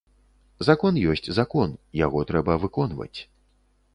Закон ёсць закон, яго трэба выконваць.